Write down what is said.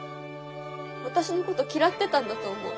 私のこと嫌ってたんだと思う。